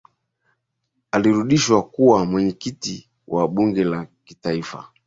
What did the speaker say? alirudishwa kuwa mwenyekiti wa bunge la kitaifa